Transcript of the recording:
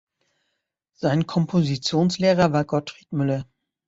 Sein Kompositionslehrer war Gottfried Müller.